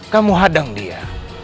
kamu hadang dia